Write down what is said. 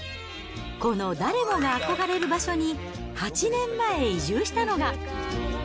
この誰もが憧れる場所に、８年前、移住したのが。